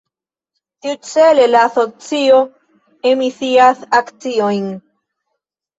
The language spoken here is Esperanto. Tiucele la asocio emisias akciojn.